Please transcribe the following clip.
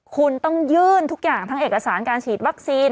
คุณต้องยื่นทุกอย่างทั้งเอกสารการฉีดวัคซีน